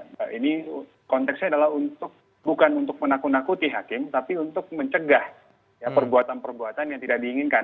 serta sebagai summit perlu tahu ya ini konteksnya adalah untuk bukan untuk menakut nakuti hakim tapi untuk mencegah perbuatan perbuatan yang tidak diinginkan